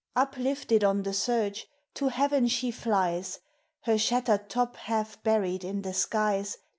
Uplifted on the surge, to heaven she flies, Her shattered top half buried in the skies.